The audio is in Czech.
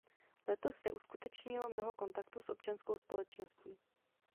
Letos se uskutečnilo mnoho kontaktů s občanskou společností.